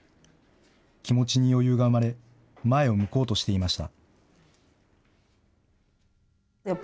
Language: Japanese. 気持ちに余裕が生まれ、前を向こうとしていました。